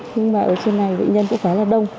nhưng mà ở trên này bệnh nhân cũng khá là đông